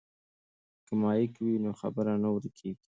که مایک وي نو خبره نه ورکیږي.